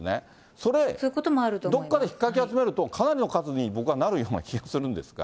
それ、どこかでどっかでひっかき集めるとかなりの数に僕はなるような気がするんですが。